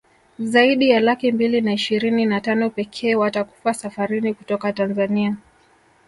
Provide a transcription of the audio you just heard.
zaidi ya laki mbili na ishirini na tano pekee watakufa safarini kutoka Tanzania